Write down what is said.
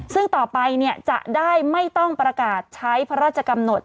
ซึ่งต่อไปจะได้ไม่ต้องประกาศใช้พระราชกำหนด